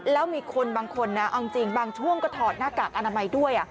แล้วมีคนบางคนนะเอาจริงบางช่วงก็ถอดหน้ากากอนามัยด้วย